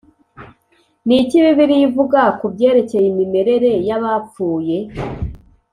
ni iki bibiliya ivuga ku byerekeye imimerere y’abapfuye